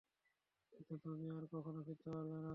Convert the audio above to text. কিন্তু তুমি আর কখনো ফিরতে পারবে না!